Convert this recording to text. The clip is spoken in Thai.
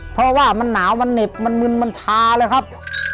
เพราะว่ามันหนาวมันเหน็บมันมึนมันชาเลยครับ